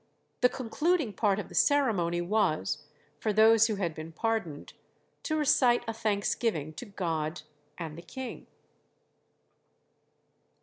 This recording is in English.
The concluding part of the ceremony was, for those who had been pardoned, to recite a thanksgiving to God and the king.